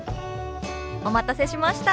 お待たせしました。